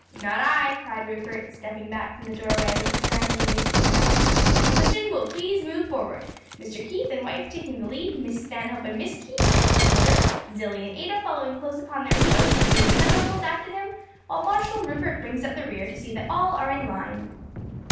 "Not I!" cried Rupert, stepping back from the doorway with a commanding wave of the hand, "Procession will please move forward Mr. Keith and wife taking the lead, Miss Stanhope and Miss Keith next in order, Zilly and Ada following close upon their heels, the three inseparables after them, while Marshal Rupert brings up the rear to see that all are in line."